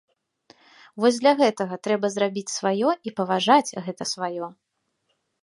Вось для гэтага трэба зрабіць сваё і паважаць гэта сваё.